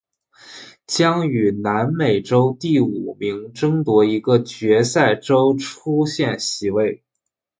将与南美洲第五名争夺一个决赛周出线席位。